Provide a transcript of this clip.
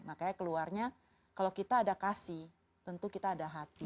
makanya keluarnya kalau kita ada kasih tentu kita ada hati